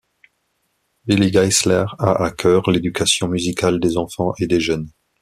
Willy Geisler a à cœur l'éducation musicale des enfants et des jeunes.